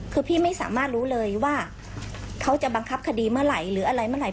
คือพี่ไม่สามารถรู้เลยว่าเขาจะบังคับคดีเมื่อไหร่หรืออะไรเมื่อไห